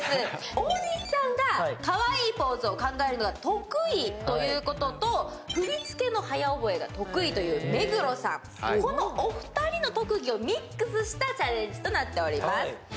大西さんがかわいいポーズを考えることが得意ということと振り付けの早覚えが得意という目黒さん、このお二人の特技をミックスしたチャレンジとなっております。